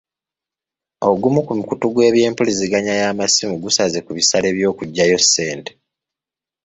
Ogumu ku mukutu gw'empuliziganya y'amasimu gusaze ku bisale by'okuggyayo ssente.